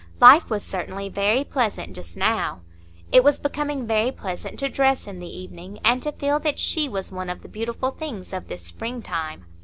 Life was certainly very pleasant just now; it was becoming very pleasant to dress in the evening, and to feel that she was one of the beautiful things of this spring time.